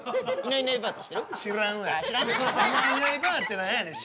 いないいないばあって何やねん。